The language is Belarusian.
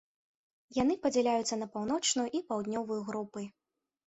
Яны падзяляюцца на паўночную і паўднёвую групы.